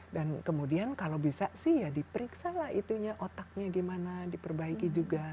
dan kemudian kalau bisa sih ya diperiksa lah itunya otaknya gimana diperbaiki juga